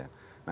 nah tapi mereka